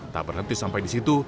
tak berhenti sampai di situ